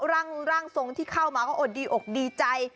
ร่างทรงที่เข้ามาก็อดดีอกดีใจ